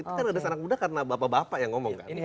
tapi kan ada anak muda karena bapak bapak yang ngomong kan